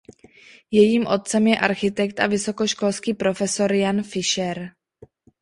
Jejím otcem je architekt a vysokoškolský profesor Jan Fišer.